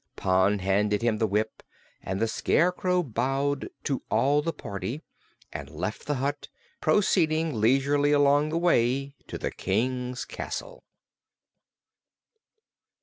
Pon handed him the whip and the Scarecrow bowed to all the party and left the hut, proceeding leisurely along the way to the King's castle.